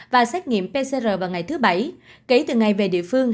và xét nghiệm pcr vào ngày thứ bảy kể từ ngày về địa phương